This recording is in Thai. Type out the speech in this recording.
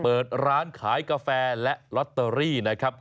เปิดร้านขายกาแฟและลอตเตอรี่นะครับ